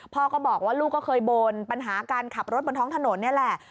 พ่อก็บอกว่าลูกก็เคยบ่นปัญหาการขับรถบนท้องถนนนี่แหละ